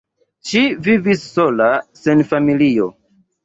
Ŝi vivis sola sen familio.